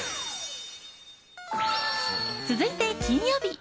続いて金曜日。